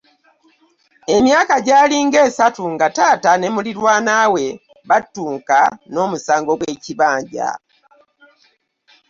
Emyaka gyali nga asatu nga taata ne muliraanwa battunka n'omusango gw'ekibanja.